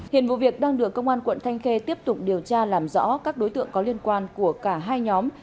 hiện vụ việc đang được công an quận thanh khê tiếp tục điều tra làm rõ các đối tượng có liên quan của cả hai nhóm